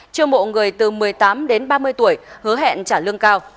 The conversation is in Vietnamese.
cho mộ người từ một mươi tám đến ba mươi tuổi hứa hẹn trả lương cao